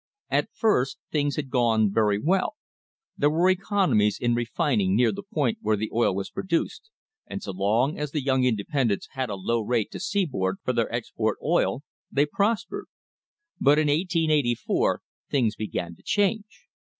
At first things had gone very well. There were economies in refining near the point where the oil was produced, and so long as the young independents had a low rate to seaboard for their export oil they prospered. But in 1884 things began to change.